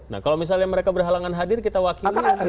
nah kalau misalnya mereka berhalangan hadir kita wakili